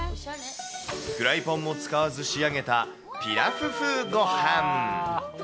フライパンも使わず仕上げたピラフ風ごはん。